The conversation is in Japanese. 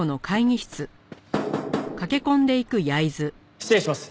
失礼します。